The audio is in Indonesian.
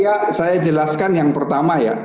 ya saya jelaskan yang pertama ya